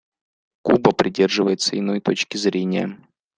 Куба придерживается иной точки зрения.